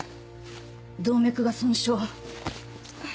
動脈が損傷。